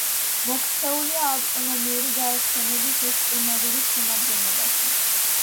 მოქცეულია ავტონომიური გაერთიანების ესტრემადურის შემადგენლობაში.